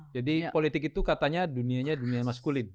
jadi politik itu katanya dunianya dunia maskulin